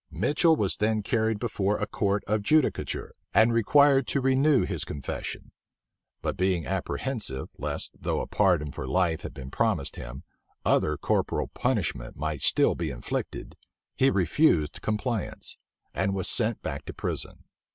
Mitchel was then carried before a court of judicature, and required to renew his confession; but being apprehensive, lest, though a pardon for life had been promised him, other corporal punishment might still be inflicted, he refused compliance; and was sent back to prison.